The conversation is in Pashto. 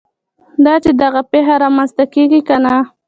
دا چې دغه پېښه رامنځته کېږي که نه.